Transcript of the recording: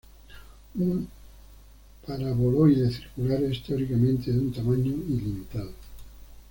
Un paraboloide circular es teóricamente de un tamaño ilimitado.